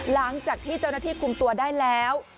หลังจากที่เจ้าหน้าที่คุมตัวได้แล้ว